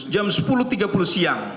jam sepuluh tiga puluh siang